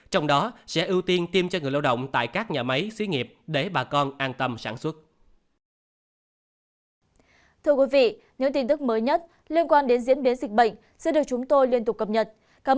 trong đó sẽ ưu tiên tiêm cho người lao động tại các nhà máy xí nghiệp để bà con an tâm sản xuất